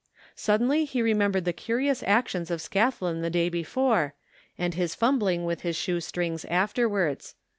Suddenly he remembered the curious actions of Scathlin the day before, and his ftunbling with his shoe strings afterwards.